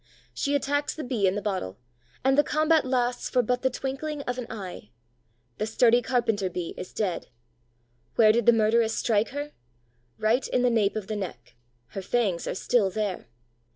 She attacks the Bee in the bottle, and the combat lasts for but the twinkling of an eye. The sturdy Carpenter bee is dead. Where did the murderess strike her? Right in the nape of the neck; her fangs are still there.